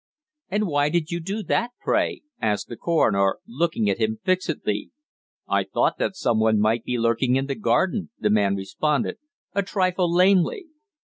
"And why did you do that, pray?" asked the coroner, looking at him fixedly. "I thought that someone might be lurking in the garden," the man responded, a trifle lamely.